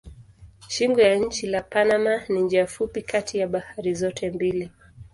Shingo ya nchi la Panama ni njia fupi kati ya bahari zote mbili.